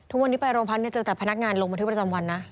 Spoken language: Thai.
ทุกวันนี้ไปโรงพักเจอแต่พนักงานลงบันทึกประจำวันนะ